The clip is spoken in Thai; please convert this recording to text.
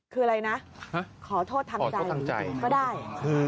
คืออะไรนะขอโทษทางใจก็ได้